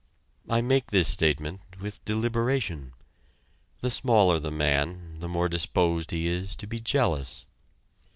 I make this statement with deliberation. The smaller the man, the more disposed he is to be jealous.